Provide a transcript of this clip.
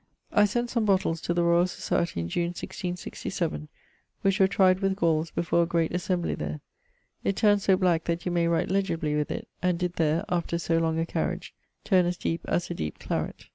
I sent some bottles to the Royal Society in June 1667, which were tryed with galles before a great assembly there. It turnes so black that you may write legibly with it, and did there, after so long a carriage, turne as deepe as a deepe claret.